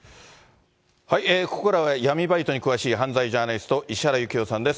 ここからは闇バイトに詳しい犯罪ジャーナリスト、石原行雄さんです。